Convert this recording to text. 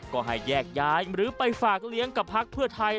ก็ให้แยกย้ายหรือไปฝากเลี้ยงกับพักเพื่อไทย